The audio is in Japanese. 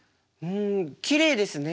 きれいですね。